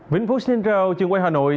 vĩnh phố central trường quay hà nội